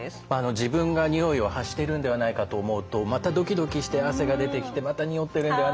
自分がにおいを発しているんではないかと思うとまたドキドキして汗が出てきてまたにおってるんではないか。